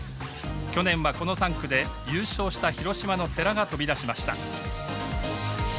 去年はこの３区で優勝した広島の世羅が飛び出しました。